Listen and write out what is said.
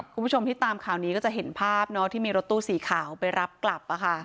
คุณผู้ชมที่ตามข่าวนี้ก็จะเห็นภาพที่มีรถตู้สีขาวไปรับกลับ